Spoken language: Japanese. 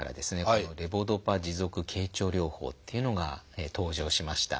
このレボドパ持続経腸療法っていうのが登場しました。